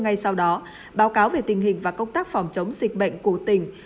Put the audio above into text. ngay sau đó báo cáo về tình hình và công tác phòng chống dịch bệnh của tỉnh